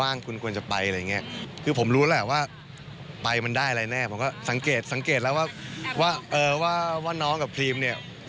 แล้วมาเล่าให้เขาฟังว่านี่หว่าสไปนะถ้าแบบคุณว่างคุณกว่าไปอะไรอย่างเงี้ย